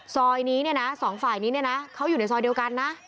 ซอยนี้นะสองฝ่ายนี้นะเขาอยู่ในซอยเดียวกันนะ